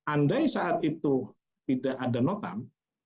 andai saat itu tidak ada notam